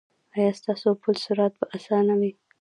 ایا ستاسو پل صراط به اسانه وي؟